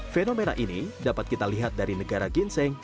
fenomena ini dapat kita lihat dari negara ginseng